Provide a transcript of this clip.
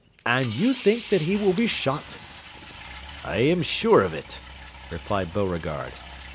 And you think that he will be shot?" "I am sure of it," replied Beauregard.